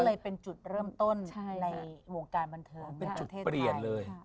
ก็เลยเป็นจุดเริ่มต้นในโมงการบันเทิงประเทศไทย